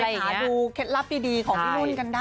หาดูเคล็ดลับดีของพี่นุ่นกันได้